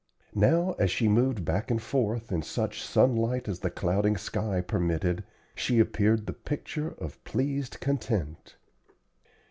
Now as she moved back and forth, in such sunlight as the clouding sky permitted, she appeared the picture of pleased content.